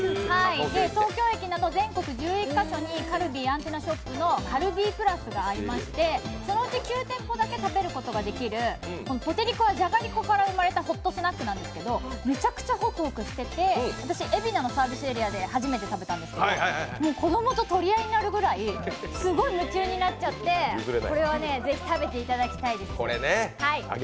東京駅など全国１１か所にカルビーアンテナショップのＣａｌｂｅｅ＋がありまして、そのうち９店舗だけで食べることができるポテりこはじゃがりこから生まれたホットスナックなんですけどめちゃくちゃほくほくしていて私、海老名のサービスエリアで初めて食べたんですけど、もう、子供と取り合いになるくらいすごい夢中になっちゃって、これはね、ぜひ食べていただきたいです。